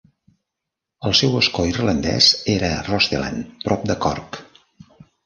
El seu escó irlandès era Rostellan, prop de Cork.